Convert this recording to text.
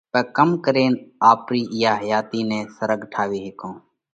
پي ڪم ڪرينَ آپرِي اِيئا حياتِي نئہ سرڳ ٺاوي هيڪونه؟